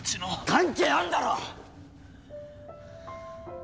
関係あんだろ！